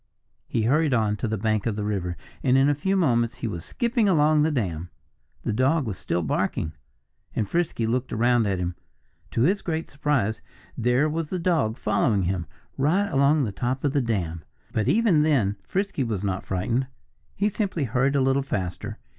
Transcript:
He hurried on to the bank of the river; and in a few moments he was skipping along the dam. The dog was still barking. And Frisky looked around at him. To his great surprise, there was the dog following him, right along the top of the dam. But even then Frisky was not frightened. He simply hurried a little faster.